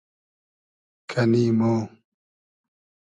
کئنی مۉ